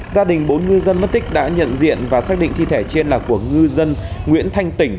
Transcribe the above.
gia đình bốn ngư dân mất tích đã nhận diện và xác định thi thể trên là của ngư dân nguyễn thanh tỉnh